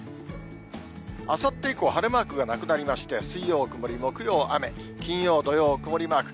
あさって以降、晴れマークがなくなりまして、水曜曇り、木曜雨、金曜、土曜曇りマーク。